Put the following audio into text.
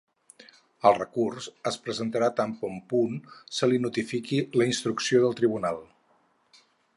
El recurs es presentarà tan bon punt se li notifiqui la instrucció del Tribunal.